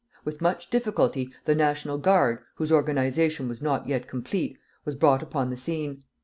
With much difficulty the National Guard, whose organization was not yet complete, was brought upon the scene.